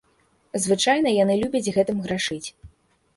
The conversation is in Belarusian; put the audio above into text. Звычайна яны любяць гэтым грашыць.